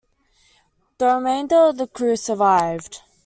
The remainder of the crew survived.